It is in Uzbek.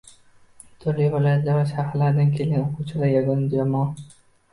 Turli viloyat va shaharlardan kelgan oʻquvchilar yagona jamoa